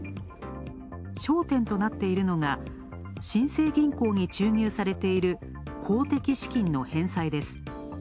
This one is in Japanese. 焦点となっているのが、新生銀行に注入されている公的資金の返済です。